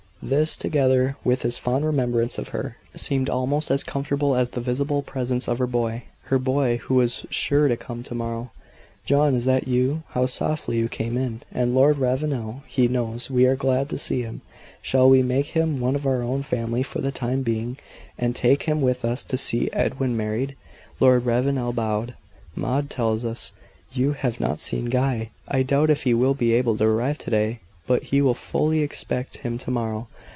This, together with his fond remembrance of her, seemed almost as comfortable as the visible presence of her boy. Her boy, who was sure to come to morrow. "John, is that you? How softly you came in. And Lord Ravenel! He knows we are glad to see him. Shall we make him one of our own family for the time being, and take him with us to see Edwin married?" Lord Ravenel bowed. "Maud tells us you have not seen Guy. I doubt if he will be able to arrive to day; but we fully expect him tomorrow."